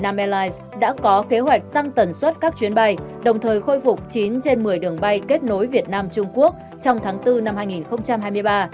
airlines đã có kế hoạch tăng tần suất các chuyến bay đồng thời khôi phục chín trên một mươi đường bay kết nối việt nam trung quốc trong tháng bốn năm hai nghìn hai mươi ba